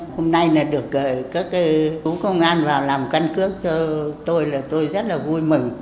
hôm nay được các tổ công an vào làm căn cước cho tôi là tôi rất là vui mừng